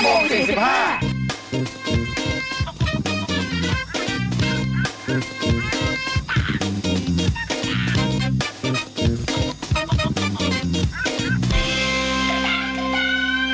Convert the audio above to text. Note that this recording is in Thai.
โปรดติดตามตอนต่อไป